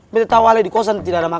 betta tau ale di kosan tidak ada masalah